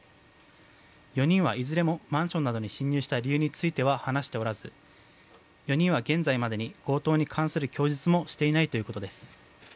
４人はいずれもマンションなどに侵入した理由については話しておらず４人は現在までに強盗に関する供述もしていないということです。